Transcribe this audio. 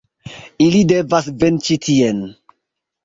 Ili devas veni ĉi tien.